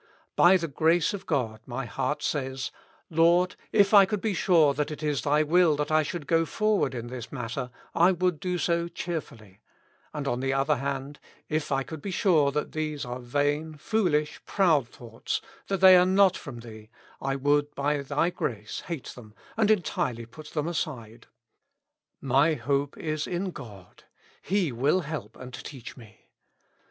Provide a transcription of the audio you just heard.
By the grace of God my heart says : L,ord, if I could be sure that it is Thy will that I should go forward in this matter, I would do so cheerfully ; and, on the other hand, if I could be sure that these are vain, foolish, proud thoughts, that they are not from Thee, I would, by Thy grace, hate them, and entirely put them aside. "My hope is in God : He will help and teach me.